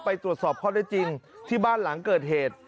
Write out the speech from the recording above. ไปตรวจสอบข้อได้จริงที่บ้านหลังเกิดเหตุ